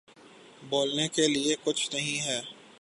بولنے کے لیے کچھ نہیں ہے